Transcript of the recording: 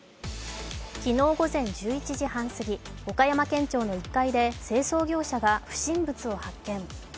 昨日午前１１時半過ぎ、岡山県庁の１階で清掃業者が不審物を発見。